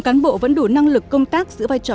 có đủ năng lực công tác giữa vai trò